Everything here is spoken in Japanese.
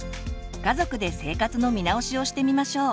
家族で生活の見直しをしてみましょう。